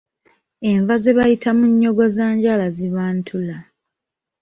Enva ze bayita munnyogozanjala ziba ntula.